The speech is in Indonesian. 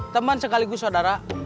temen sekaligus saudara